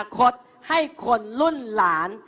มาเขียนอนาคตให้คนรุ่นหลาน